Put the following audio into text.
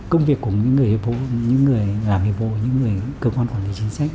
công việc của những người hiệp hộ những người làm hiệp hộ những người cơ quan quản lý chính sách